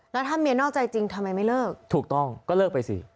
แล้วถ้าเมียนอกใจจริงทำไมไม่เลิกถูกต้องก็เลิกไปสิ